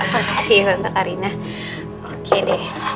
makasih tante karina oke deh